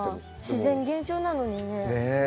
自然現象なのにね。